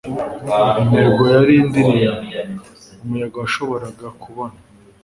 intego yari indirimbo - umuyaga washoboraga kubona